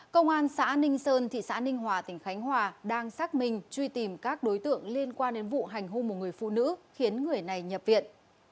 công an xã ninh sơn thị xã ninh hòa tỉnh khánh hòa đang xác minh truy tìm các đối tượng liên quan đến vụ hành hôn một người phụ nữ khiến người này nhập viện